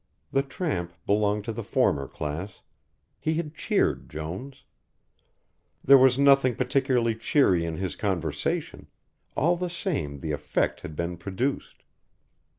The tramp belonged to the former class. He had cheered Jones. There was nothing particularly cheery in his conversation, all the same the effect had been produced.